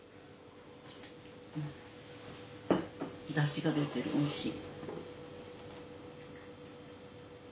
だしが出てるおいしい。